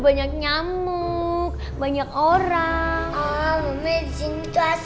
banyak nyamuk banyak orang